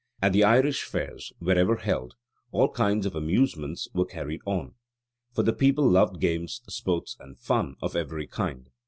At the Irish fairs, wherever held, all kinds of amusements were carried on; for the people loved games, sports, and fun of every kind.